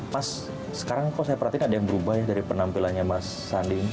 mas sekarang kok saya perhatiin ada yang berubah ya dari penampilannya mas sandi